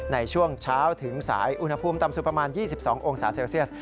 ในช่วงเช้าถึงสายอุณหภูมิต่ำสุดประมาณ๒๒องศาเซลเซียส